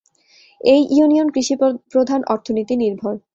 এই ইউনিয়ন কৃষিপ্রধান অর্থনীতি নির্ভর।